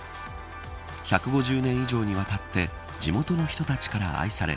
１５０年以上にわたって地元の人たちから愛され